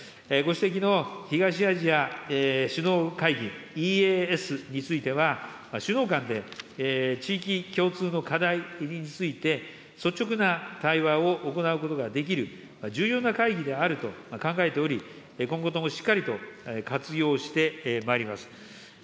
ご指摘の東アジア首脳会議・ＥＡＳについては、首脳間で地域共通の課題について、率直な対話を行うことができる重要な会議であると考えており、今後ともしっかりと活用してまいります。